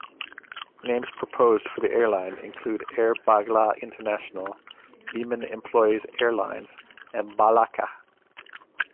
Names proposed for the airline included Air Bangla International, Biman Employees Airlines and Balaka.